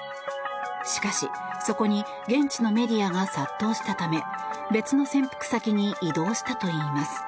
しかし、そこに現地のメディアが殺到したため別の潜伏先に移動したといいます。